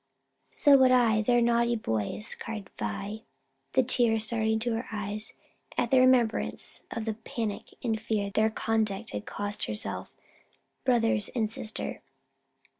"So would I; they're naughty boys!" cried Vi, the tears starting to her eyes at the remembrance of the panic of fear their conduct had cost herself, brothers and sister.